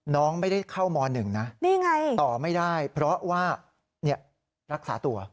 น้องไม่ได้เข้าม๑นะต่อไม่ได้เพราะว่ารักษาตัว